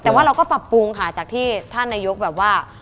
แต่ว่าเราก็ปรับปรุงค่ะจากที่ท่านนายกแบบว่า